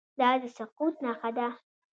دا د سقوط نښه ده.